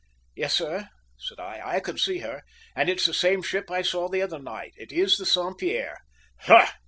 "Yes, sir," said I. "I can see her, and it's the same ship I saw the other night. It is the Saint Pierre!" "Ha!"